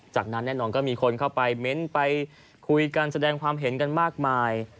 จากนั้นแน่นอนก็มีคนเข้าไปเม้นไปคุยกันแสดงความเห็นกันมากมาย